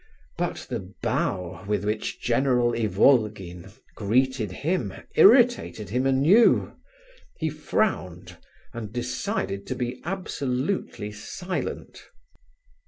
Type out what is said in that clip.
But the bow with which General Ivolgin greeted him irritated him anew; he frowned, and decided to be absolutely silent.